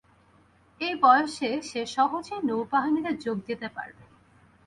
ঐ বয়সে সে সহজেই নৌবাহিনীতে যোগ দিতে পারবে।